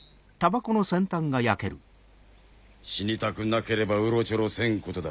死にたくなければうろちょろせんことだ。